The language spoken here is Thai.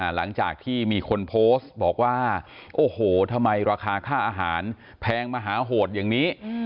หลังจากที่มีคนโพสต์บอกว่าโอ้โหทำไมราคาค่าอาหารแพงมหาโหดอย่างนี้